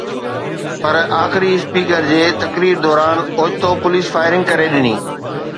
پر آخري اسپيڪر جي تقرير دوران اوچتو پوليس فائرنگ ڪري ڏني